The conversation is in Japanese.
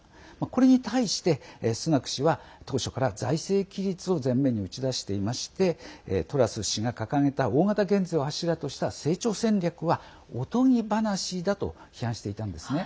これに対して、スナク氏は当初から財政規律を前面に打ち出していましてトラス氏が掲げた大型減税を柱とした成長戦略はおとぎ話だと批判していたんですね。